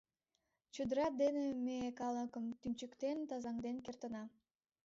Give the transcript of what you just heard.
Чодыра дене ме калыкым тӱнчыктен, тазаҥден кертына.